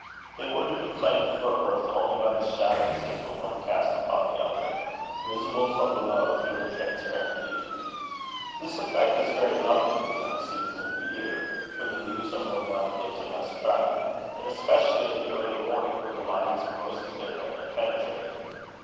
They were to be claimed for earth only by the shadows that the one cast upon the other, visible from below through the transparent leaf. This effect is very lovely in the young season of the year, when the leaves are more delicate and less crowded; and especially in the early morning, when the light is most clear and penetrating.